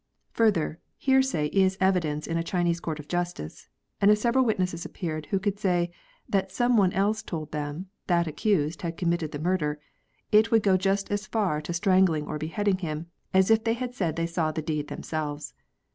Further, hearsay is evidence in a Chinese court of justice, and if several witnesses appeared who could only say that some one else told them that accused had committed the murder, it would go just as far to strangling or beheading him, as if they had said they saw the deed themselves.